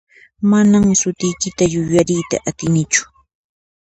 Manan sutiykita yuyariyta atinichu.